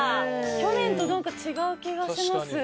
去年と何か違う気がします。